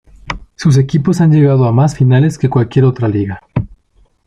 Sus equipos han llegado a más finales que cualquier otra liga.